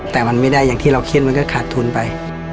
แต่มันไม่ได้อย่างที่เราเครียดมันก็ขาดทุนไป